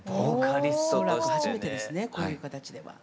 恐らく初めてですねこういう形では。